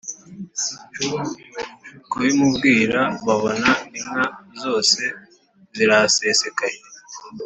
kubimubwira babona inka zose zirahasesekaye.